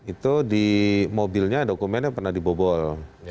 itu di mobilnya dokumennya pernah dibobol